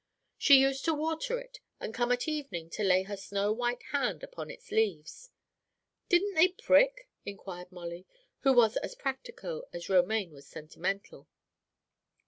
She used to water it, and come at evening to lay her snow white hand upon its leaves." "Didn't they prick?" inquired Molly, who was as practical as Romaine was sentimental.